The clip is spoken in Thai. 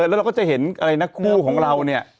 แล้วเราก็จะเห็นอะไรนะคู่ของเราเนี่ย